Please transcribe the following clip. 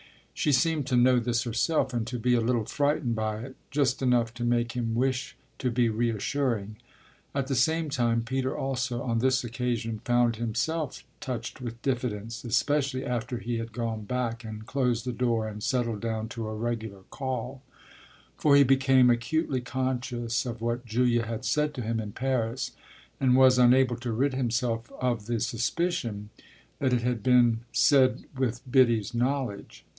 She seemed to know this herself and to be a little frightened by it just enough to make him wish to be reassuring. At the same time Peter also, on this occasion, found himself touched with diffidence, especially after he had gone back and closed the door and settled down to a regular call; for he became acutely conscious of what Julia had said to him in Paris and was unable to rid himself of the suspicion that it had been said with Biddy's knowledge.